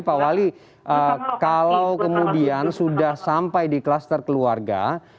pak wali kalau kemudian sudah sampai di kluster keluarga